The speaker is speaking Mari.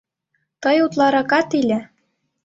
— Тый утларакат иле.